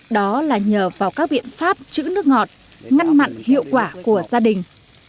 đó là nhờ vào các biện pháp chữ nước ngọt ngăn mặn hiệu quả của gia đình